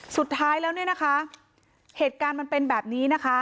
สุดท้ายแล้วเนี่ยนะคะเหตุการณ์มันเป็นแบบนี้นะคะ